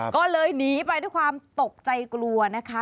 ก็เลยหนีไปด้วยความตกใจกลัวนะคะ